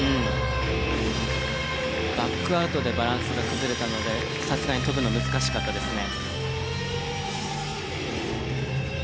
バックアウトでバランスが崩れたのでさすがに跳ぶの難しかったですね。